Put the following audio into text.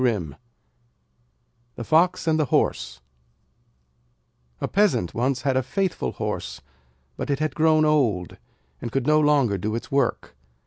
}] The Fox and the Horse A peasant once had a faithful Horse, but it had grown old and could no longer do its work.